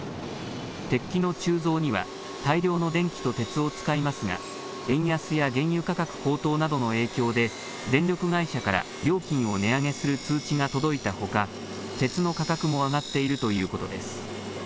鉄器の鋳造には大量の電気と鉄を使いますが円安や原油価格高騰などの影響で電力会社から料金を値上げする通知が届いたほか鉄の価格も上がっているということです。